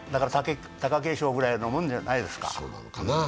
貴景勝ぐらいなもんじゃないでしょうか。